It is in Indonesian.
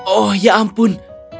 oh ya ampun